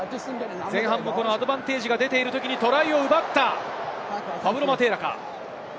前半もアドバンテージが出ているときにトライを奪った。